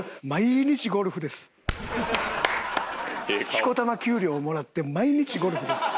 しこたま給料もらって毎日ゴルフです。